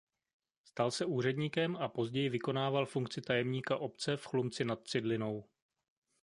Stal se úředníkem a později vykonával funkci tajemníka obce v Chlumci nad Cidlinou..